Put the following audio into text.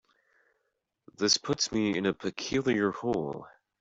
This puts me in a peculiar hole.